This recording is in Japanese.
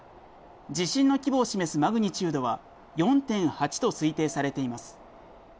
地震の規模を示すマグニチュードは４．８と推定されています。